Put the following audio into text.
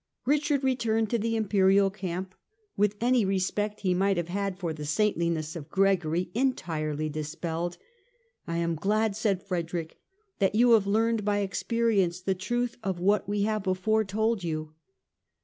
Richard returned to the Imperial camp with any respect he might have had for the saintliness of Gregory entirely dispelled. " I am glad," said Frederick, " that you have learned by experience the truth of what we have before told you."